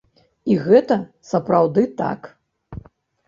І гэта сапраўды так.